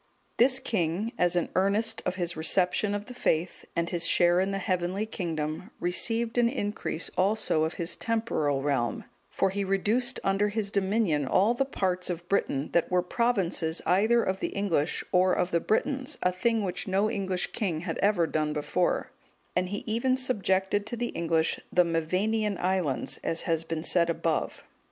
This king, as an earnest of his reception of the faith, and his share in the heavenly kingdom, received an increase also of his temporal realm, for he reduced under his dominion all the parts of Britain(208) that were provinces either of the English, or of the Britons, a thing which no English king had ever done before; and he even subjected to the English the Mevanian islands, as has been said above.